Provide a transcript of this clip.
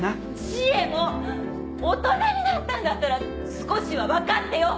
知恵も大人になったんだったら少しは分かってよ！